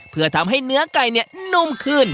เพื่อทำให้เนื้อไก่นุ่มขึ้น